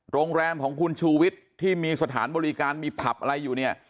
โรงแรมของคุณชูวิทย์ที่มีสถานบริการมีผับอะไรอยู่เนี่ย